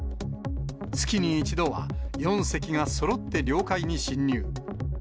月に１度は４隻がそろって領海に侵入。